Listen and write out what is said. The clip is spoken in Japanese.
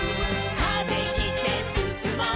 「風切ってすすもう」